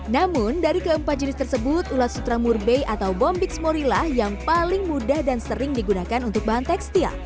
namun dari keempat jenis tersebut ulat sutra murbe atau bombix morilah yang paling mudah dan sering digunakan untuk bahan tekstil